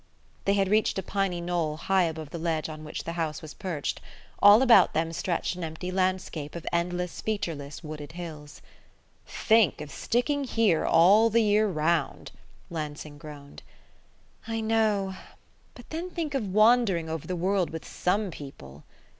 They had reached a piny knoll high above the ledge on which the house was perched. All about them stretched an empty landscape of endless featureless wooded hills. "Think of sticking here all the year round!" Lansing groaned. "I know. But then think of wandering over the world with some people!"